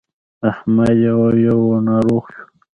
احمد يو په يو ناروغ شو.